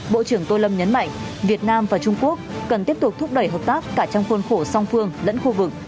bộ trưởng tô lâm nhấn mạnh việt nam và trung quốc cần tiếp tục thúc đẩy hợp tác cả trong khuôn khổ song phương lẫn khu vực